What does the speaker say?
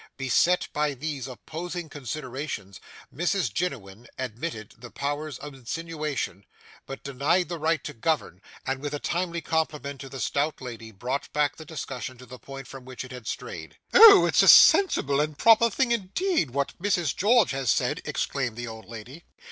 Beset by these opposing considerations, Mrs Jiniwin admitted the powers of insinuation, but denied the right to govern, and with a timely compliment to the stout lady brought back the discussion to the point from which it had strayed. 'Oh! It's a sensible and proper thing indeed, what Mrs George has said!' exclaimed the old lady.